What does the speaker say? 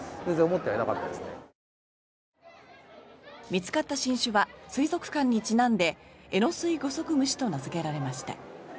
見つかった新種は水族館にちなんでエノスイグソクムシと名付けられました。